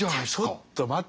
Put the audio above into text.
ちょっと待って。